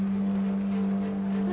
あ。